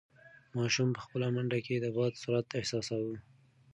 ماشوم په خپله منډه کې د باد سرعت احساساوه.